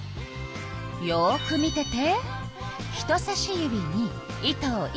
よく見てて。